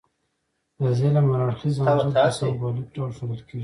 د ظلم هر اړخیز انځور په سمبولیک ډول ښودل کیږي.